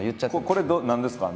これ何ですか？